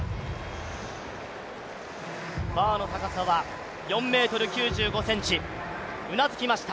バーの高さは４ｍ９５ｃｍ、うなずきました。